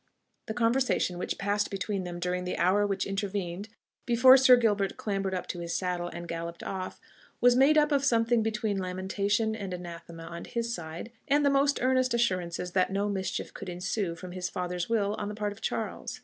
The conversation which passed between them during the hour which intervened before Sir Gilbert clambered up to his saddle and galloped off, was made up of something between lamentation and anathema on his side, and the most earnest assurances that no mischief could ensue from his father's will on the part of Charles.